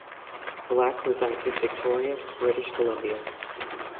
Black resides in Victoria, British Columbia.